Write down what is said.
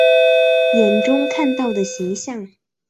眼中看到的形象